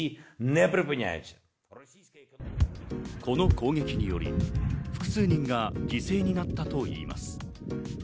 この攻撃により複数人が犠牲になったといいます。